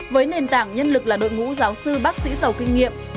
với nền tảng nhân lực là đội ngũ giáo sư bác sĩ giàu kinh nghiệm